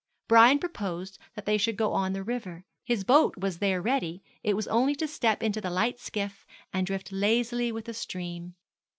Brian proposed that they should go on the river; his boat was there ready, it was only to step into the light skiff, and drift lazily with the stream.